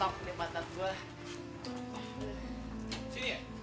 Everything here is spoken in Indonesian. aduh aduh aduh